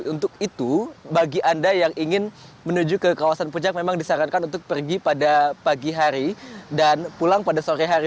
untuk itu bagi anda yang ingin menuju ke kawasan puncak memang disarankan untuk pergi pada pagi hari dan pulang pada sore hari